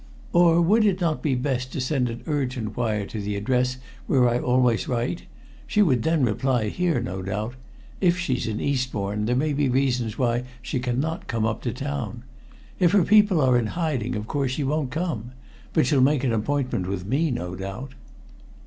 "Or would it not be best to send an urgent wire to the address where I always write? She would then reply here, no doubt. If she's in Eastbourne, there may be reasons why she cannot come up to town. If her people are in hiding, of course she won't come. But she'll make an appointment with me, no doubt."